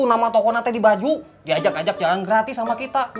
nama toko nanti di baju diajak ajak jalan gratis sama kita